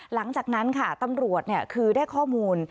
หลังจากนั้นค่ะตำรวจคือได้ข้อมูล